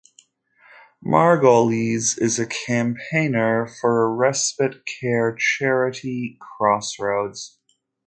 Margolyes is a campaigner for a respite care charity, Crossroads.